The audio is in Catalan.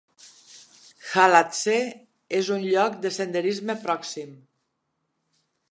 Khalatse és un lloc de senderisme pròxim.